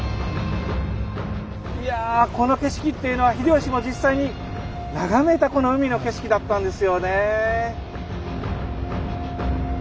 いやこの景色っていうのは秀吉も実際に眺めたこの海の景色だったんですよねえ。